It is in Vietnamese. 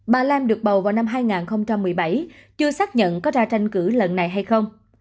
bà lam được bầu vào năm hai nghìn một mươi bảy chưa xác nhận có ra tranh cử lần này hay không